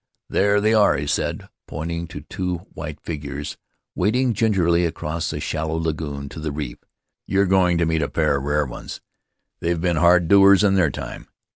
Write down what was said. "There they are," he said, pointing to two white figures wading gingerly across the shallow lagoon to the reef; "you're going to meet a pair of rare ones — they've been hard doers hi their time!"